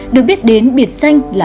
được biết đến biệt danh là